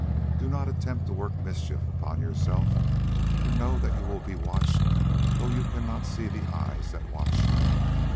Do not attempt to work mischief upon yourself, for know that you will be watched though you cannot see the eyes that watch you.